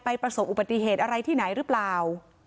ประสบอุบัติเหตุอะไรที่ไหนหรือเปล่า